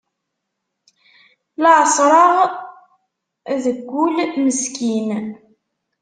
La εeṣreɣ de ul meskin.